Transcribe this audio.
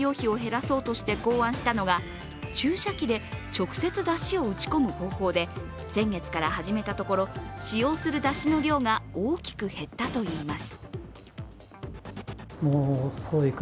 少しでも原材料費を減らそうとして考案したのが注射器で直接だしを打ち込む方法で先月から始めたところしようするだしの量が大きく減ったといいます。